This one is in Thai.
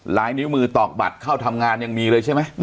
ลายนิ้วมือตอกบัตรเข้าทำงานยังมีเลยใช่ไหม